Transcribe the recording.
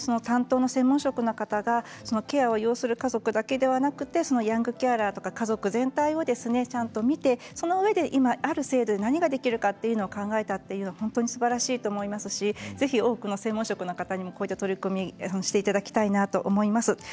担当の専門職の方がケアを要する家族だけでなくヤングケアラーや家族全体をちゃんと見て、そのうえで今ある制度で何ができるのかを考えたという本当にすばらしいと思いますしぜひ多くの専門職の方にもこういった取り組みをしていただきたいなと思います。